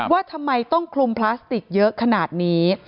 ว่าทำไมต้องคลุมพลาสติกเยอะขนาดนี้